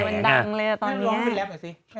เลวันดังเลยอะตอนนี้